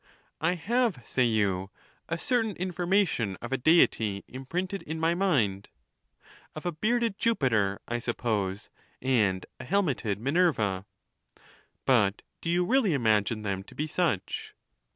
"I have," say you, "a certain informa tion of a Deity imprinted in my mind." Of a bearded Jupiter, I suppose, and a helmetod Minerva. But do you really imagine them to be such